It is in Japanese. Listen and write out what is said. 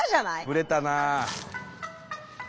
ぶれたなあ。